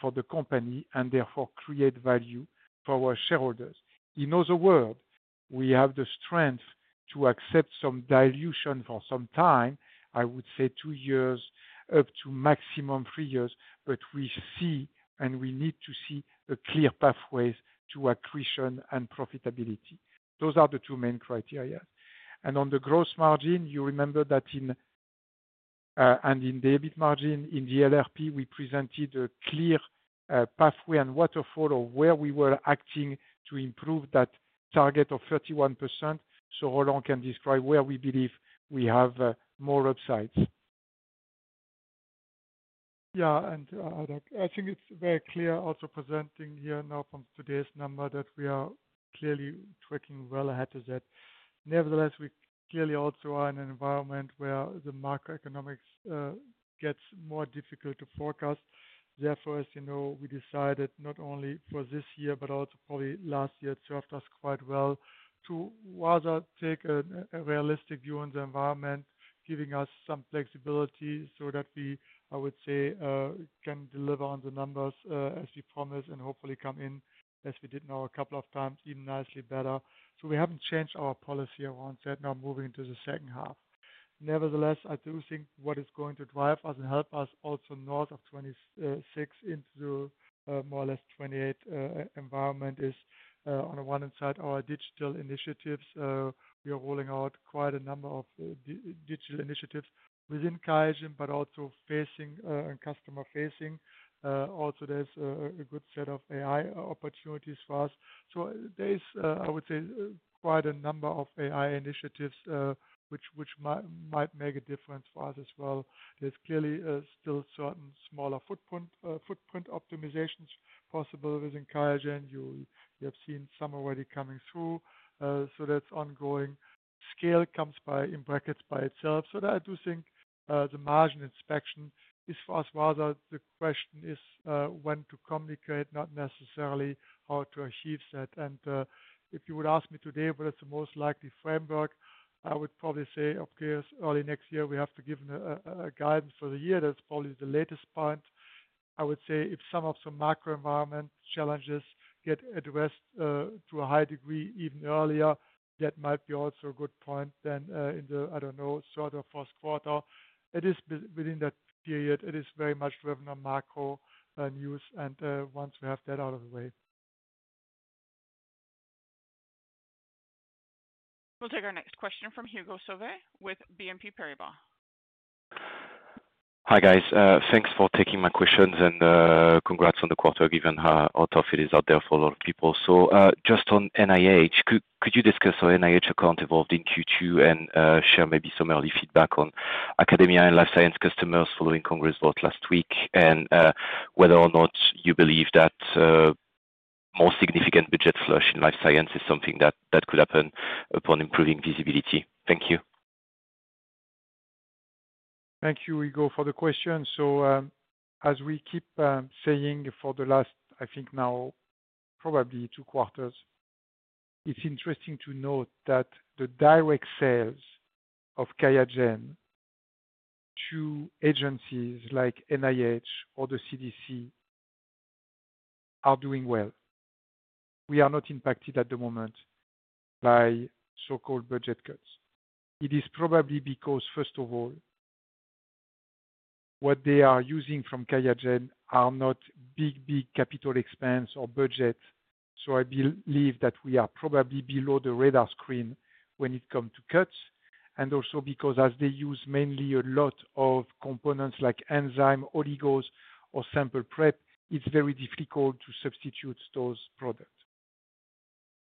for the company and therefore create value for our shareholders. In other words, we have the strength to accept some dilution for some time, I would say two years up to maximum three years, but we see and we need to see a clear pathway to accretion and profitability. Those are the two main criteria. On the gross margin, you remember that in and in debit margin, in the LRP, we presented a clear pathway and waterfall of where we were acting to improve that target of 31%. Roland can describe where we believe we have more upsides. Yeah, and I think it's very clear also presenting here now from today's number that we are clearly tracking well ahead of that. Nevertheless, we clearly also are in an environment where the macroeconomics gets more difficult to forecast. Therefore, as you know, we decided not only for this year, but also probably last year, it served us quite well to rather take a realistic view on the environment, giving us some flexibility so that we, I would say, can deliver on the numbers as we promised and hopefully come in, as we did now a couple of times, even nicely better. We haven't changed our policy around that, now moving into the second half. Nevertheless, I do think what is going to drive us and help us also north of 2026 into the more or less 2028 environment is, on the one hand side, our digital initiatives. We are rolling out quite a number of digital initiatives within QIAGEN, but also facing and customer-facing. Also, there's a good set of AI opportunities for us. There's, I would say, quite a number of AI initiatives which might make a difference for us as well. There's clearly still certain smaller footprint optimizations possible within QIAGEN. You have seen some already coming through. That's ongoing. Scale comes by, in brackets, by itself. I do think the margin inspection is for us, rather the question is when to communicate, not necessarily how to achieve that. If you would ask me today, what is the most likely framework, I would probably say, up to early next year, we have to give a guidance for the year. That's probably the latest point. I would say if some of the macro environment challenges get addressed to a high degree even earlier, that might be also a good point then in the, I don't know, third or first quarter. It is within that period. It is very much driven on macro news, and once we have that out of the way. We'll take our next question from Hugo Solvet with BNP Paribas. Hi, guys. Thanks for taking my questions and congrats on the quarter given how tough it is out there for a lot of people. On NIH, could you discuss the NIH account involved in Q2 and share maybe some early feedback on academia and Life Science customers following Congress vote last week and whether or not you believe that more significant budget flush in Life Science is something that could happen upon improving visibility? Thank you. Thank you, Hugo, for the question. As we keep saying for the last, I think now probably two quarters, it's interesting to note that the direct sales of QIAGEN to agencies like NIH or the CDC are doing well. We are not impacted at the moment by so-called budget cuts. It is probably because, first of all, what they are using from QIAGEN are not big, big capital expense or budget. I believe that we are probably below the radar screen when it comes to cuts. Also, as they use mainly a lot of components like enzymes, oligos, or sample prep, it's very difficult to substitute those products.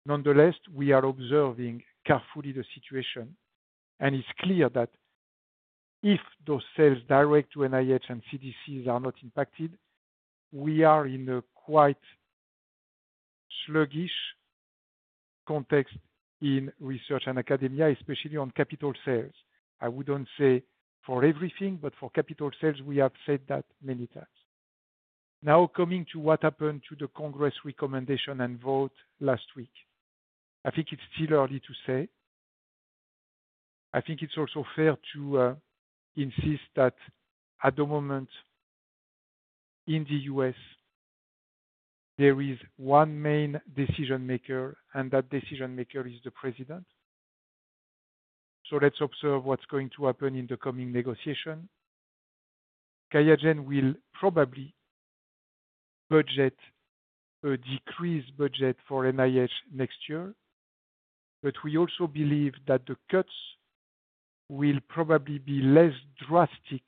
Nonetheless, we are observing carefully the situation, and it's clear that if those sales direct to NIH and CDCs are not impacted, we are in a quite sluggish context in research and academia, especially on capital sales. I wouldn't say for everything, but for capital sales, we have said that many times. Now, coming to what happened to the Congress recommendation and vote last week, I think it's still early to say. I think it's also fair to insist that at the moment in the U.S., there is one main decision maker, and that decision maker is the president. Let's observe what's going to happen in the coming negotiation. QIAGEN will probably budget a decreased budget for NIH next year, but we also believe that the cuts will probably be less drastic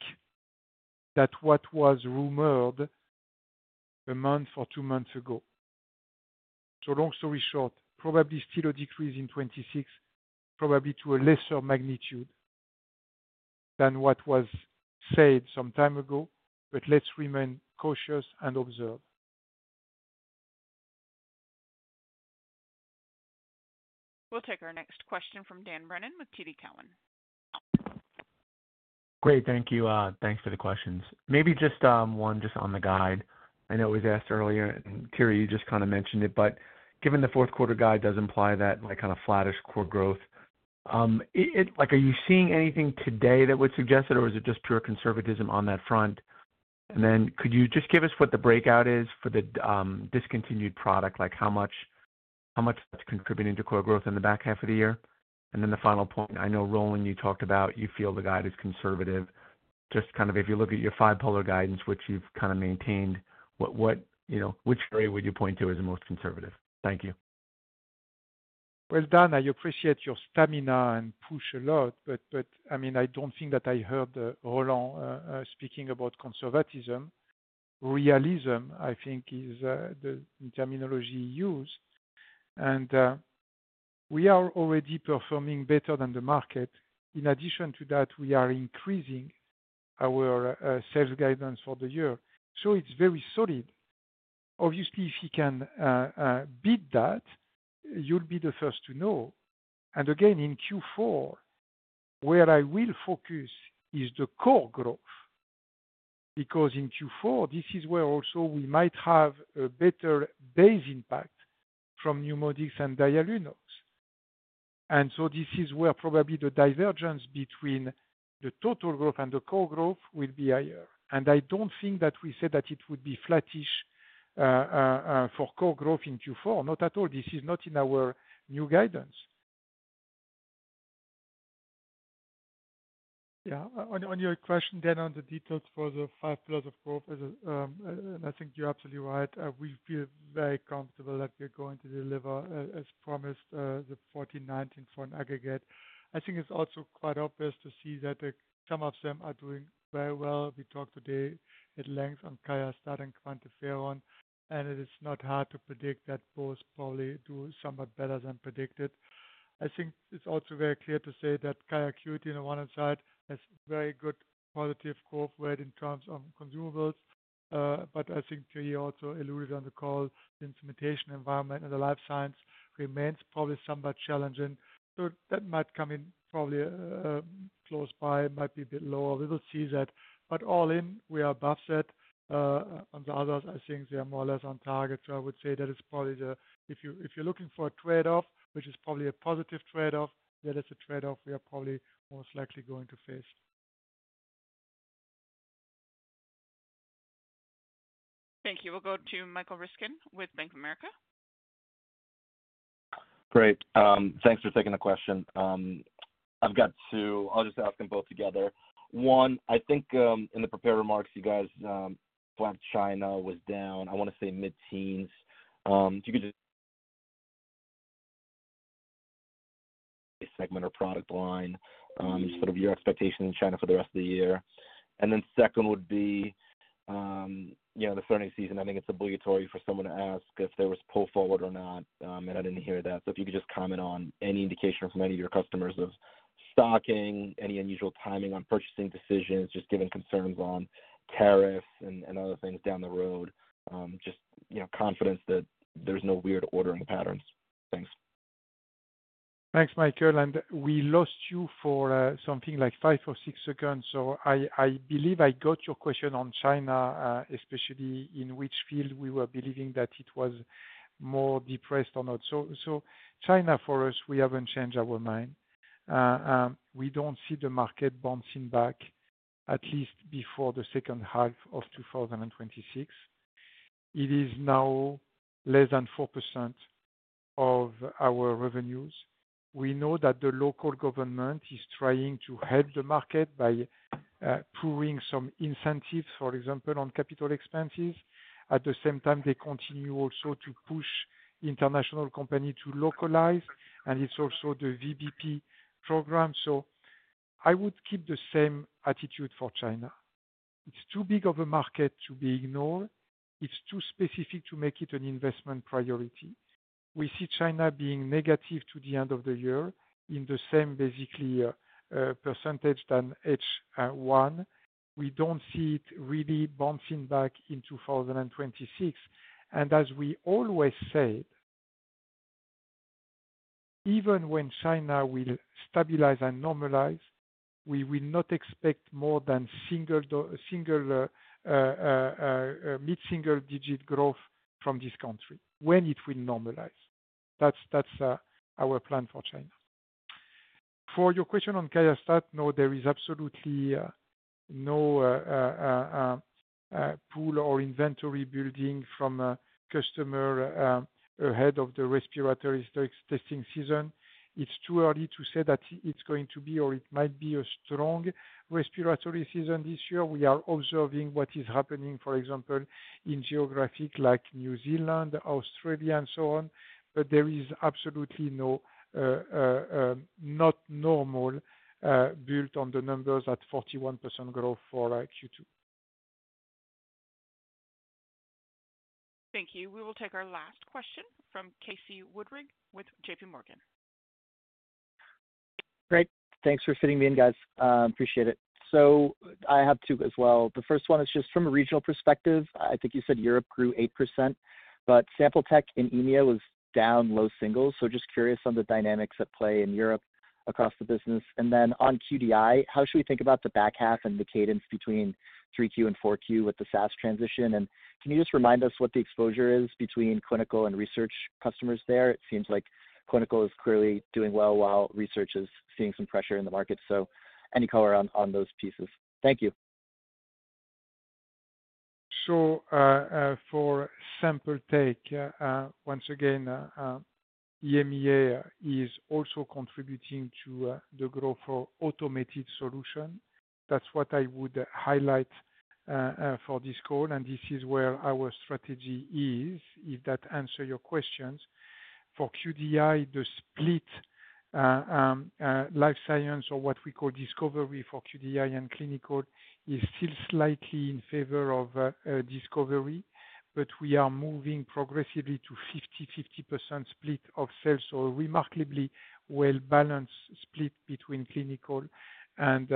than what was rumored a month or two months ago. Long story short, probably still a decrease in 2026, probably to a lesser magnitude than what was said some time ago, but let's remain cautious and observe. We'll take our next question from Dan Brennan with TD Cowen. Great, thank you. Thanks for the questions. Maybe just one just on the guide. I know it was asked earlier, and Thierry, you just kind of mentioned it, but given the fourth quarter guide does imply that like kind of flattish core growth, are you seeing anything today that would suggest it, or is it just pure conservatism on that front? Could you just give us what the breakout is for the discontinued product, like how much is contributing to core growth in the back half of the year? The final point, I know, Roland, you talked about you feel the guide is conservative. If you look at your five-pillar guidance, which you've kind of maintained, what you know which area would you point to as the most conservative? Thank you. Dan, I appreciate your stamina and push a lot, but I don't think that I heard Roland speaking about conservatism. Realism, I think, is the terminology used. We are already performing better than the market. In addition to that, we are increasing our sales guidance for the year. It's very solid. Obviously, if you can beat that, you'll be the first to know. In Q4, where I will focus is the core growth because in Q4, this is where also we might have a better base impact from NeuMoDx and Dialunox. This is where probably the divergence between the total growth and the core growth will be higher. I don't think that we said that it would be flattish for core growth in Q4. Not at all. This is not in our new guidance. Yeah, on your question, Dan, on the details for the five pillars of growth, and I think you're absolutely right. We feel very comfortable that we are going to deliver, as promised, the 49th in fund aggregate. I think it's also quite obvious to see that some of them are doing very well. We talked today at length on QIAstat-Dx and QuantiFERON, and it is not hard to predict that both probably do somewhat better than predicted. I think it's also very clear to say that QIAcuity on the one hand side has very good positive growth rate in terms of consumables. I think Thierry also alluded on the call, the instrumentation environment and the Life Science remains probably somewhat challenging. That might come in probably close by, might be a bit lower. We will see that. All in, we are above that. On the others, I think they are more or less on target. I would say that is probably the, if you're looking for a trade-off, which is probably a positive trade-off, then it's a trade-off we are probably most likely going to face. Thank you. We'll go to Michael Ryskin with Bank of America. Great. Thanks for taking the question. I've got two. I'll just ask them both together. One, I think in the prepared remarks, you guys, flat China was down, I want to say mid-teens. If you could just segment a product line, just sort of your expectations in China for the rest of the year. Then second would be, you know, the pharmacies and I think it's obligatory for someone to ask if there was pull forward or not, and I didn't hear that. If you could just comment on any indication from any of your customers of stocking, any unusual timing on purchasing decisions, just given concerns on tariffs and other things down the road, just, you know, confidence that there's no weird ordering patterns. Thanks. Thanks, Mike. We lost you for something like five or six seconds. I believe I got your question on China, especially in which field we were believing that it was more depressed or not. China, for us, we haven't changed our mind. We don't see the market bouncing back, at least before the second half of 2026. It is now less than 4% of our revenues. We know that the local government is trying to help the market by pooling some incentives, for example, on capital expenses. At the same time, they continue also to push international companies to localize, and it's also the VBP program. I would keep the same attitude for China. It's too big of a market to be ignored. It's too specific to make it an investment priority. We see China being negative to the end of the year in the same basically percentage than H1. We don't see it really bouncing back in 2026. As we always said, even when China will stabilize and normalize, we will not expect more than single mid-single digit growth from this country when it will normalize. That's our plan for China. For your question on QIAstat-Dx, no, there is absolutely no pool or inventory building from a customer ahead of the respiratory testing season. It's too early to say that it's going to be or it might be a strong respiratory season this year. We are observing what is happening, for example, in geographies like New Zealand, Australia, and so on. There is absolutely no not normal built on the numbers at 41% growth for Q2. Thank you. We will take our last question from Casey Woodring with JPMorgan. Great. Thanks for fitting me in, guys. Appreciate it. I have two as well. The first one is just from a regional perspective. I think you said Europe grew 8%, but Sample tech in EMEA was down low singles. I am just curious on the dynamics at play in Europe across the business. On QDI, how should we think about the back half and the cadence between 3Q and 4Q with the SaaS transition? Can you just remind us what the exposure is between clinical and research customers there? It seems like clinical is clearly doing well while research is seeing some pressure in the market. Any color on those pieces? Thank you. For Sample tech, once again, EMEA is also contributing to the growth for automated solutions. That's what I would highlight for this call. This is where our strategy is, if that answers your questions. For QDI, the split Life Science or what we call discovery for QDI and clinical is still slightly in favor of discovery, but we are moving progressively to a 50/50 split of sales, so a remarkably well-balanced split between clinical and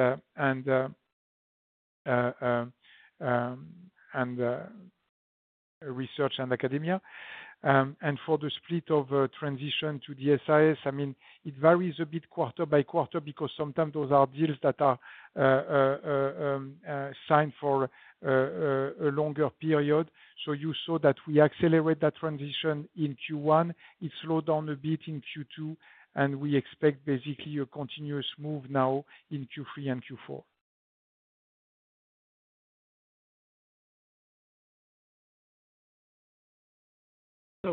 research and academia. For the split of transition to DSIS, it varies a bit quarter by quarter because sometimes those are deals that are signed for a longer period. You saw that we accelerate that transition in Q1. It slowed down a bit in Q2. We expect basically a continuous move now in Q3 and Q4.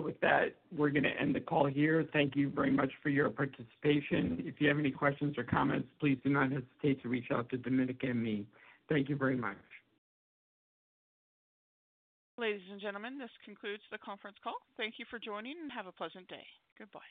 With that, we're going to end the call here. Thank you very much for your participation. If you have any questions or comments, please do not hesitate to reach out to Domenica and me. Thank you very much. Ladies and gentlemen, this concludes the conference call. Thank you for joining and have a pleasant day. Goodbye.